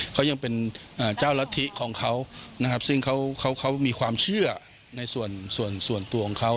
เขายังเป็นเจ้าลัตธิของเขาซึ่งเขามีความเชื่อในส่วนตัวของเขา